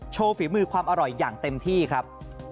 ฝีมือความอร่อยอย่างเต็มที่ครับ